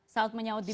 saat menyaut di media